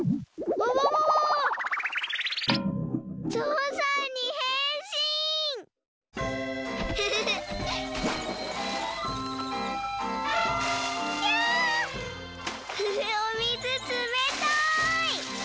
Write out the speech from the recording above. おみずつめたい！